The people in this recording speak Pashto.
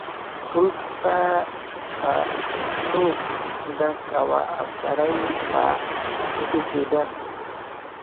وروسته به توپ ډز کاوه او سړی به ټوټې کېده.